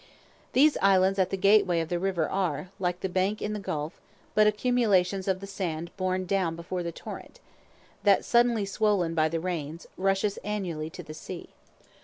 These islands at the gateway of the river are, like the bank in the gulf, but accumulations of the sand borne down before the torrent, that, suddenly swollen by the rains, rushes annually to the sea.